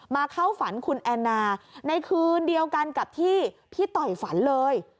เข้าฝันคุณแอนนาในคืนเดียวกันกับที่พี่ต่อยฝันเลย